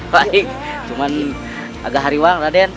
baik cuma agak hari wang raden